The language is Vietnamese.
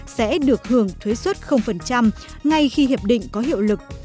sẽ được hưởng thuế xuất ngay khi hiệp định có hiệu lực